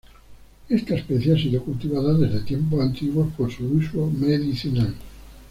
Esta especie ha sido cultivada desde tiempos antiguos por su uso medicinal.